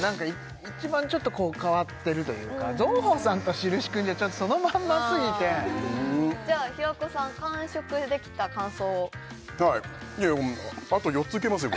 一番ちょっと変わってるというかぞうさんと印くんじゃちょっとそのまんますぎてじゃあ平子さん完食できた感想をはいいやあと４ついけますよ